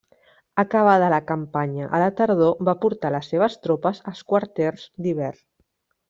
Acabada la campanya a la tardor va portar les seves tropes als quarters d'hivern.